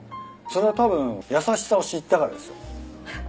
それはたぶん優しさを知ったからですよ。